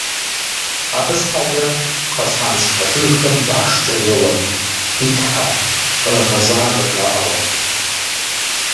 Абы щхьэкӀэ пхъэщхьэмыщхьэ жыгхэм башкӀэ еуэрт: «Ди тхьэ, пкъырыгъэзагъэ», - жаӀэурэ.